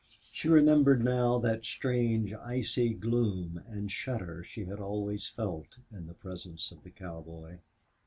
She remembered now that strange, icy gloom and shudder she had always felt in the presence of the cowboy.